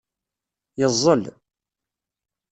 Yeẓẓel.